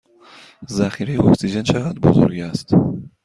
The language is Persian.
ذخیره اکسیژن چه قدر بزرگ است؟